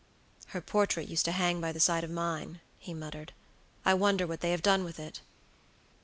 "Her portrait used to hang by the side of mine," he muttered; "I wonder what they have done with it."